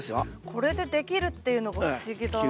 これでできるっていうのが不思議だなあ。